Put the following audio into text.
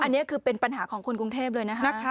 อันนี้คือเป็นปัญหาของคนกรุงเทพเลยนะคะ